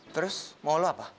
terus mau lo apa